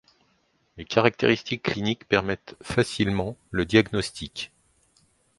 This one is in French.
Les caractéristiques cliniques permettent facilement le diagnostic.